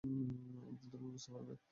একদিন তুমি বুঝতে পারবে!